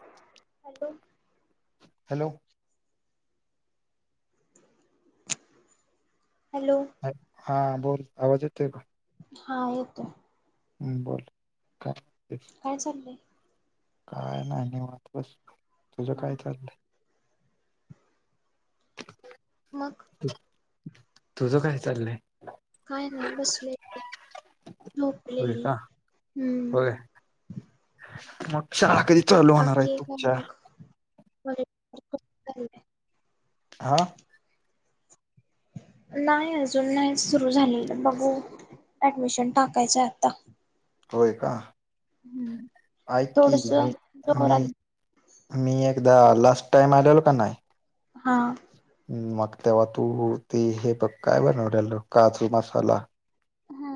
Hello. Hello. [unintelligible] Hello. हा हा बोल आवाज येतोय. हा येतोय. हम् बोल काय? काय चाललंय? काय नाही निवांत बस तुझं हा काय चाललंय? मग? तुझं काय चाललंय? काय नाही बसलोय होय झोपलेली का हम्म. होय मग शाळा कधी? चालू होणार आहे बाकी काय तुमच्या? मग [unintelligible] हा. नाही अजून नाहीच सुरू झालेलं बघू ऍडमिशन टाकायचंय आता. होय का. हम्म ऐक की थोडस मी मी जोरात मी एक एकदा लास्ट टाइम आल्यालो का नाय. हा मग तेव्हा तू ते हे बघ काय बनवले काजू मसाला. हा.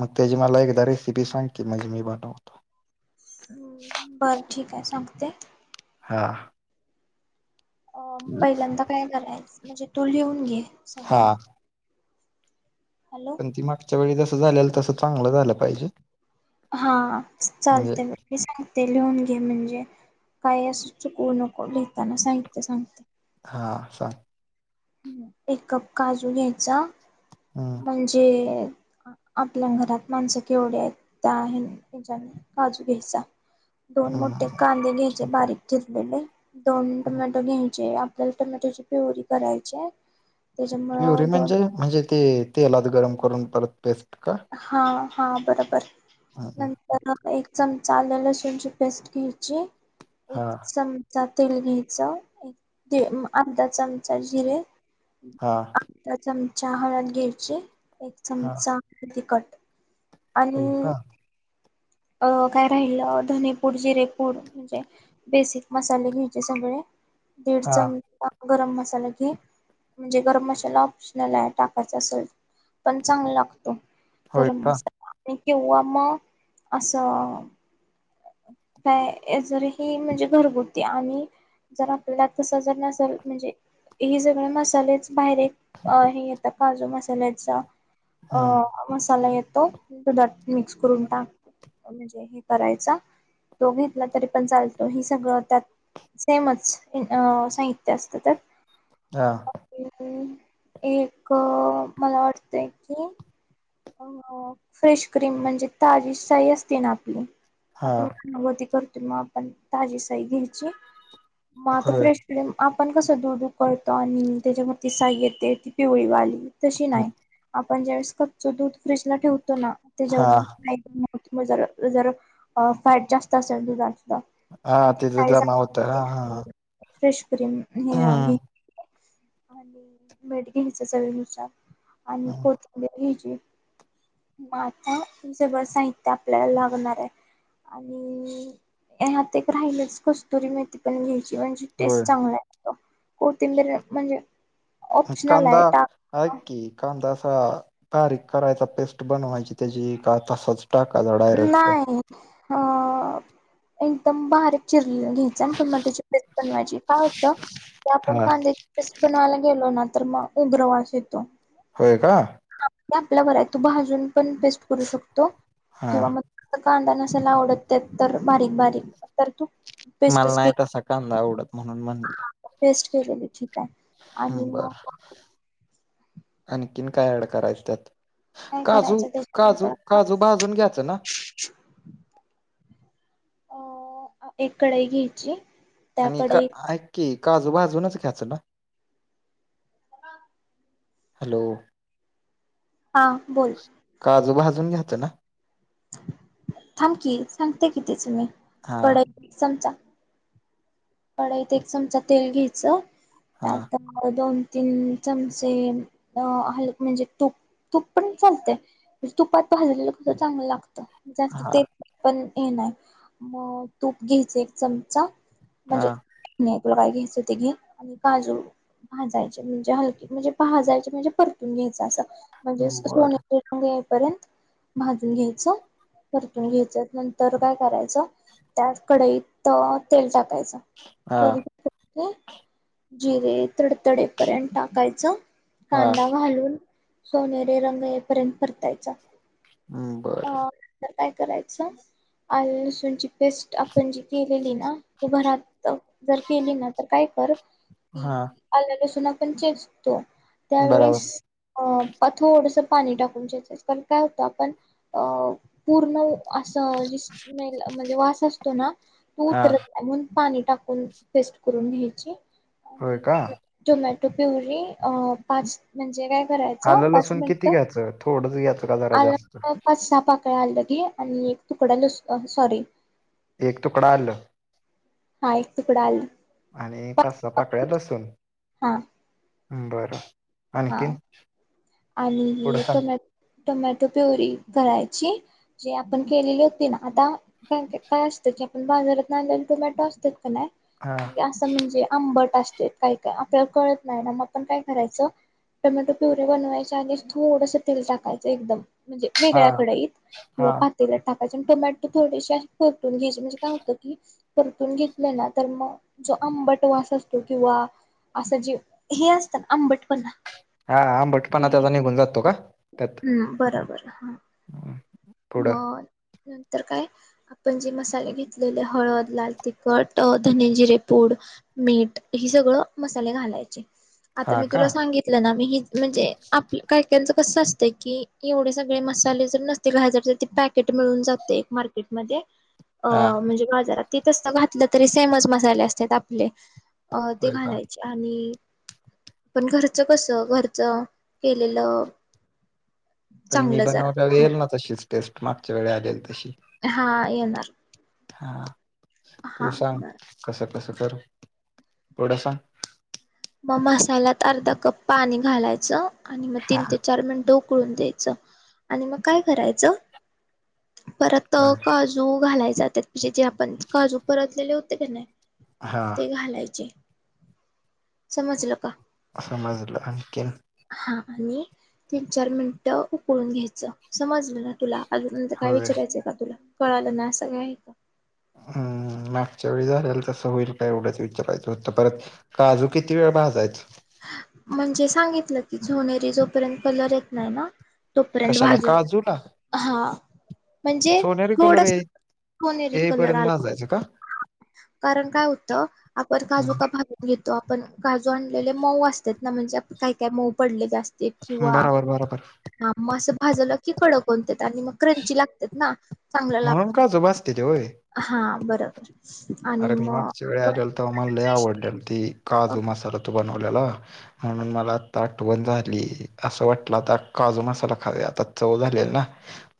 मग त्याची मला एकदा रेसिपी सांग की म्हणजे मी बनवतो. हम् बरं ठीक आहे सांगते. हा. अ पहिल्यादा काय करायचं? म्हणजे तो लिहून घे. हा सगळं. हॅलो पण ती मागच्या वेळी झा तस चांगलं झालं पाहिजे. हा म्हणजे चालत मी सांगते लिहून घे म्हणजे. काय अस चुकवू नको लिहिताना साहित्य सांगते. हा सांग. एक कप काजू घ्यायचा. हम्म म्हणजे? आपल्या घरात माणसं केवढी आहेत त्या आहे त्याच्या काजू घ्यायचा दोन मोठे हम्म, कांदे घ्याचे ठीक आहे. बारीक चिरलेले दोन टोमॅटो घे आपल्याला टोमॅटोची पिवरी करायची प्युरी त्याच्यामुळं दोन म्हणजे म्हणजे ते तेलात गरम करून परत पेस्ट का? हा हा बरोबर हं, हं. नंतर चमचा आले लसूणची पेस्ट घ्यायची एक हां, चमचा तेल घ्यायचं एक अर्धा चमचा जिरे हां, आताच हळद घ्यायची एक हां. चमचा तिकट आणि होय का? अ काय राहिल धनेपूड जिरेपूड म्हणजे बेसिक मसाले घ्यायचे सगळे दीड हां, चमचा गरम मसाला घे म्हणजे गरम मसाला ऑप्शनल आहे टाकायचा असेल पण चांगला लागतो होय गरम का? मसाला किंवा मग असं काय जर हे म्हणजे घरगुती आणि जर आपला कस जर नसेल म्हणजे हे सगळे मसालेच बाहेर हे येतं काजू मसाल्याचा अ हं. मसाला येत तो मिक्स करून टाक म्हणजे हे करायचा तो घेतला तरी पण चालतो हेि सगळं त्यात सेमच साहित्य असतं त्यात जा एक मला वाटतय की अ फ्रेश क्रीम म्हणजे ताजी साई असते ना आपली हां. आपल्याकड नव्ह ते कर मग आपण ताजी सई घ्यायची म त होय. फ्रेश क्रीम आप आपण कसं दूध उकळतो आणि त्याच्यामध्ये साई येते ती पिवळी वाली तशी हं. नाही पण ज्यावेळीस जो दूध फ्रीज ला ठेव तो ना त्याच्यावर हां, कि जर जर फॅट जास्त असेल तुझ हा तिथे जमा होत हा हा हा फ्रेश क्रीम हे आगे आणि मीठ घ्यायच चवीनुसार आणि हं, कोच घ्यायची म आता तुमच बळ साहित्य आपल्याला लागणार आहे आणि ह्यात एक राहिलंच कस्तुरी मेथी पण घ्याय ची म्हणजे होय. टेस्ट चांगला आहे कोथिंबीर म्हणजे ऑप्शनल कांदा आहे टाक हकी कांदा तारीक करायचा पेस्ट बनवायची त्याची का तसच टाकाचा डायरेक्ट नाही अ एकदम बारीक चिर घ्यायचा टोमॅटोची पेस्ट बनवायची काय होत ते आपण हां, कांद्या बनवायला गेलो ना तर मग उग्र वास येतो होय का ते आपल्यावर हाय. तू भाजून पण बेस्ट करू शकतो. हां. किंवा मग कांदा नसायला आवडत त्यात तर बारीक, बारीक तर तू मला नाही तसा कंद आवडत म्हणून म्हणल. टेस्ट केलेली ठीक आहे. हम् आणि बर. मग [inaudible] आणखीन काय ॲड करायच त्यात. काय काजू, करायचं काजू, त्याच्यानंतर आपण काजू, भाजून घ्यायचं ना. [inaudible] अ एक कडई घ्यायची. त्या आणि का कढईत ऐक की काजू भाजूनच ख्यायचं का? हॅलो हा बोल. काजू भाजून घ्यायचं ना? थांबकी सांगते कि तेज मी. हा कडईत चमचा कडईत एक चमचा तेल घ्यायचं. हा त्यात हळद [unintelligible] तीन चमचे अ हाल म्हणजे तूप, तूप पण चालते तुपात भाजलेल कसं चांगलं लागत. जास्त हा ते [unintelligible] पण ह नाय मग तूप घ्यायचं एक चमचा हा म्हणजे [unintelligible] तूला काय घ्यायच ते घे आणि काजू भाजायचे म्हणजे हलके म्हणजे भाजायचे म्हणजे परतून घ्यायचं असतात. म्हणजे सोने बर [unintelligible] पर्यंत भाजून घ्यायच, परतून घ्यायच, नंतर काय करायचं त्यात कडईतं तेल टाकायचं. हा [unintelligible] जिरे तडतडेपर्यंत टाकायच. हा कांदा घालून सोनेरी रंग येईपर्यंत परतायचा. हम् बर. अ तर काय करायच आल्ल-लसूणची पेस्ट आपण जी केलेली ना तू घरात जाऊन जर केली ना, तर काय कर हा केली आल्ल, लसुन. पण चेसतो. त्यावेळीस बराबर अं. थोडसं पाणी टाकून चेचायचं कारण काय होतं आपण अ पूर्ण असं [unintelligible] म्हणजे वास असतो ना पू हा [unintelligible] पण पाणी टाकून पेस्ट करून घ्यायची. होय आणि का [unintelligible] [unintelligible] अ पाच म्हणजे काय? करायचं पाच आललसूण किती मिनिटं घ्यायचं, थोडंच घ्यायचं का जरा जास्त? कळ्या आल्ल घे आणि एक तुकडा [unintelligible] सॉरी. एक तूकडा आल्ल. हा एक तुकडा आल्ल. आणि कसं [unintelligible] तसं. हा. हं बरं. हा आणखीन पुढं आणि सांग टोमॅटो टोमॅटो प्युरी करायची जे आपण केलेली होती ना आता काय असतं की आपण बाजारात आणलेलं टोमॅटो असतात हा असं म्हणजे आंबट असते काय का आपल्याला कळत नाही ना मग आपण काय करायचं टोमॅटो प्युरी बनवायचे आणि थोडस तेल टाकायचं एकदम म्हणजे हा वेगळ्या कडाईत किंवा हा पातेला टाक त्या टोमॅटो थोडीशी परतून घ्यायची म्हणजे काय होत की परतून घेतले ना तर मग जो आंबट वास असतो किंवा असं जे हे असतं ना आंबटपणा हा आंबटपणा त्याचा निघून जातो का त्यात हा ह बोल नंतर काय आपण जे मसाले घेतलेले हळद लाल तिखट धनेजिरे पूड मीठ ह सगळं मसाले घालायचे आता हा मी का तुला सांगितलं ना मी ही म्हणजे आप काय काय याचं कस असतं कि एवढे सगळे मसाले जर नसतील ते घाल ते पॅकेट मिळून जातं एक मार्केटमध्येध्ये अ हा म्हणजे बाजारात त तसं घातलं तरी सेमच मसाले असतात आपले अ ते होय का घालायचे आणि पण घरचं कस घरचं केलेलं पण मी चांगलं जरा बनवलेल येईल चांगलं ना तशीच टेस्ट मागच्या वेळे आले हा येणार. [unintelligible] तू हा सांग बर. कस कस. पुढे सांग. मग मसाल्यात अर्धा कप पाणी घालायचं. आणि मग हा तीन ते चार मिनट उकळून. उखळून द्यायच आणि मग काय करायचं. परत कळलं काजू घालायच. जातात जे आपण काजू परतलेले होते का नाही. हा ते घालायचे. समजलं का. समजलं आणखीन. हा आणि तीन चार मिनटं उकळून घ्यायचं समजलं ना तुला. अजूनंतर काय होय विचारायचंय का तुला. कळालं ना सगळं आहे का. हम्म मागच्या वेळी झालेल तसं होईल का एवढंच विचारायचं होत परत काजू किती वेळ भाजायच. म्हणजे सांगितलं की सोनिरे जोपर्यंत कलर येत नाही ना. तोपर्यंत कशाला भाजून काजूला हा म्हणजे सोनेरी कलर थोडस ये सोनेरी कलर येईपर्यंत आला भाजायचं का कारण काय होतं आपण काजू का भाजून घेत. तो आपण काजू. ले मऊ असत ना म्हणजे काय काय मऊ पडलेले असत. बरोबर बरोबर. असं भाजलं की कडक हो. आणि मग क्रंची लागतात ना चांगला ला म्हणून काजू भाजतेत होय हा बरं. [unintelligible] अरे मी मागच्या वेळ आलेल तर मला आवडडेल ती अ, काजू मसाला तू बनव. मला आठवण झाली असं वाटलं आता काजू मसाला खावे आता चव झाले ना.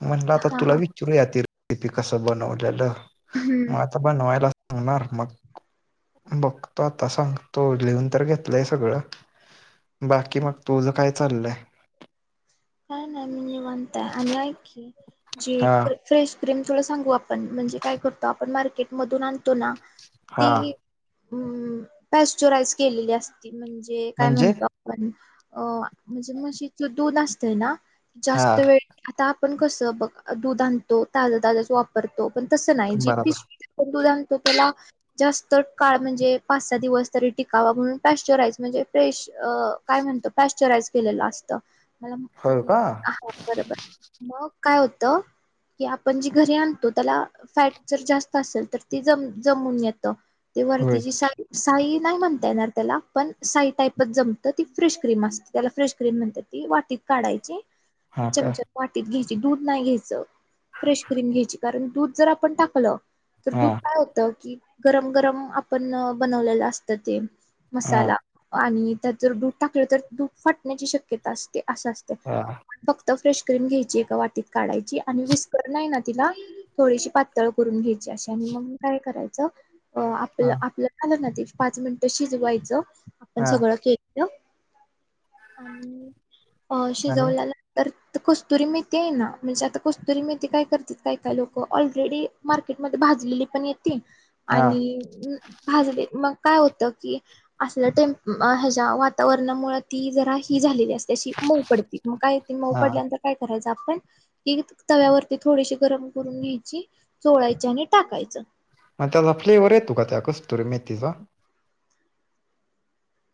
म्हणलं आता हा तुला हा विचारू येतील. ती कसं बनवलेलं. मग हम्म आता बनवायला. होणार मग बघ तो आता सांग तो लिहून तर घेतलाय सगळं. बाकी मग तुझं काय. चालय. का नाही मी निवताय आणि ऐक की. जी हा फ्रेश क्रीम थोडा. सांगू आपण म्हणजे काय करतो आपण मार्केट मधून आणतो ना. हा. हम् पॅस्चुराईज केलेली असती. म्हणजे काय म्हणजे म्हणतो आपण. अ म्हणजे मशी त दूध असते. ते ना, हा जास्त वेळ आता. आपण कसं बघ दूध आणतो ता ताजच वापरतो. त पण तस नाही जी बराबर पिशवी तन दूध आणतो त्याला. जास्त काळ म्हणजे पाच सात दिवस तरी टिकावा म्हणून पॅश्चराई म्हणजे फ्रेश काय म्हणत प्रॅश्चराईज केलेलं असतं मला. होय का हा बरोबर मग. काय होत की आपण जी घरी आणतो त्याला फॅट जर जास्त असेल तर त जमून येतं. ते होय वरतीची साई. नाही म्हणता येणार त्याला पण साई टाईपच जमतं ती फ्रेश क्रीम असते त्याला फ्रेश क्रीम म्हणत ती वाटीत. काढायची, हा का चमचा वाटीत घे. दूध नाही घ्यायच फ्रेश क्रीम घ्यायची कारण दूध जर आपण टाकलं. तर हा दूध काय होत की. गरम-गरम आपण बनवलेलं असत ते, हा मसाला आणि. त्यात जर दूध टाकलं तर दूध फाण्याची शक्यता असते असा. हा, फ्रेश क्रीम घ्यायची एका वाटीत काढायची, आणि विस्कर नाही ना, तिला थोडीशी पातळ करून घ्यायची अशी आणि मग काय करायचं. अ हा आपलं आपलं झालं ना ते. पाच मिनिटं शिजवायचं. आपण हा सगळं के. केलेलं आणि. अ आणि शिजवल्यानंतर. कस्तुरी मेथी आहे ना म्हणजे आता कस्तुरी मेथे काय करतेात काय काय लोक ऑलरेडी मार्केटमध्ये भाजलेली पण येत. ते हा आणि भाजले मग. काय होत की असल्या टे ह्याच्या वातावरणामुळे ती जरा ह झालेली असते. मऊ पडती मग काय येते मऊ हा पडल्यांतर काय करायचं. पण ती तव्यावरती थोडीशी गरम करून घ्यायची चोळायची आणि टाकायचं. मग त्या लफलीवर येतू का त्या कस. कस्तुरी मेथीचा.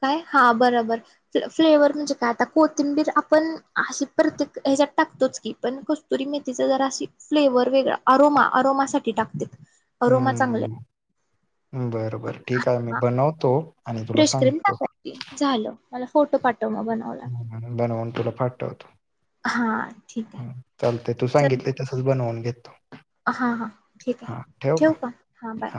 काय, हा बरोबर फ्लेवर म्हणजे? काय आता कोथिंबीर आपण अशी प्रत्येक ह्याच्यात टातोच की पण कस्तुरी मेथीचा जरा अशी फ्लेवर वेगळा अरोमा अरोमासाठी टाकते. अरोमा चांगला. बर बर ठीक आहे मी बनवतो आणि तुला फ्रेश क्रीम सांगतो टाकायची झालं मला फोटो पा ह बनावन तुला पाठवतो हा ठीक आहे ह चालते तू चल सांगितले तसच बनवून घेत [inaudible] हा हा ठीक आहे ठेव का हा बाय